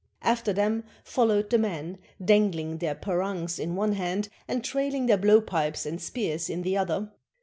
After them followed the men, dangling their parangs in one hand and traihng their blow pipes and spears in the other.